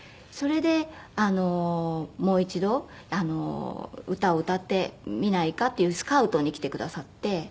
それでもう一度歌を歌ってみないかっていうスカウトに来てくださって。